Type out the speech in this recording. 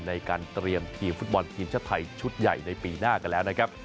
ในการเตรียมทีมฟุตบอลทีมชาติไทยชุดใหญ่ในปีหน้ากันแล้วนะครับ